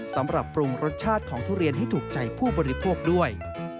สำหรับปรุงรสชาติของทุเรียนให้ถูกใจผู้บริโภคด้วย